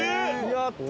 やった！